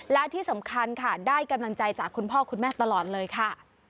และที่สำคัญค่ะได้กำลังใจจากคุณพ่อคุณแม่ตลอดเลยค่ะ